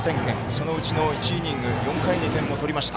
そのうちの１イニング４回に点を取りました。